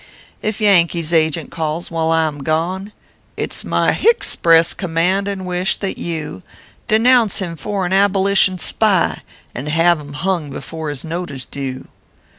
247 " If Yankee s agent calls while I am gone, It s my (hie) spress command and wish, that you Denounce him for an abolition spy, And have him hung before his note is due.